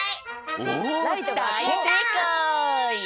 おっだいせいかい！